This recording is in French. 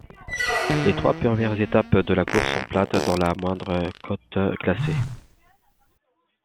Les trois premières étapes de la course sont plates, sans la moindre côte classée.